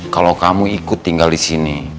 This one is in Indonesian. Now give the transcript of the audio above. kalau kamu ikut tinggal di sini